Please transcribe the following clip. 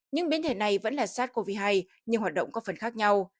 những biến thể này vẫn là sars cov hai nhưng hoạt động có phần khác nhau